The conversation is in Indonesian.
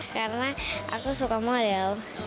karena aku suka model